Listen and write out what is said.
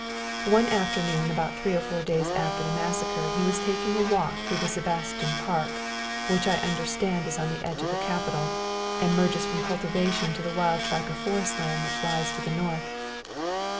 "One afternoon about three or four days after the massacre he was taking a walk through the Sebastin Park, which I understand is on the edge of the capital, and merges from cultivation to the wild track of forest land which lies to the north.